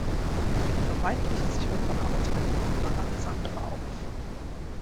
Für die vermeintliche Sicherung von Arbeitsplätzen gibt man alles andere auf.